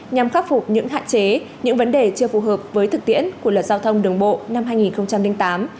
nhằm khắc phục những hạn chế những vấn đề chưa phù hợp với thực tiễn của luật giao thông đường bộ năm hai nghìn tám